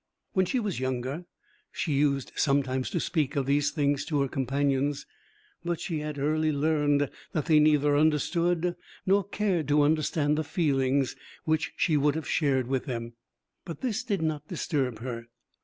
When she was younger, she used sometimes to speak of these things to her companions; but she had early learned that they neither understood nor cared to understand the feelings which she would have shared with them. But this did not disturb her.